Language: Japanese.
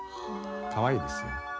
かわいいですよ。